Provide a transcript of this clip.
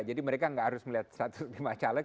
jadi mereka tidak harus melihat satu lima caleg